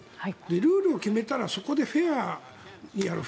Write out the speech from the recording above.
で、ルールを決めたらそこでフェアにやる。